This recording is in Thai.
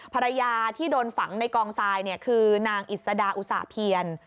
ภรรยาที่โดนฝังในกองทรายคือนางอิสดาอุตส่าเพียร